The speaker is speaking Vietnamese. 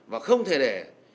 và không thể để